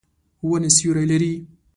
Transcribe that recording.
ونې سیوری لري.